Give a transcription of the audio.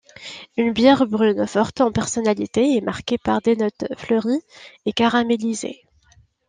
Une bière brune forte en personnalité et marquée par des notes fleuries et caramélisées.